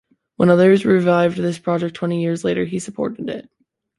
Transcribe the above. When others revived this project twenty years later he supported it.